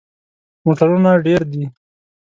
موټرونه ډیر دي